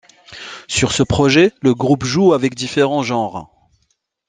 Sur ce projet, le groupe joue avec différents genres.